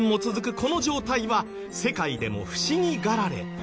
この状態は世界でも不思議がられ。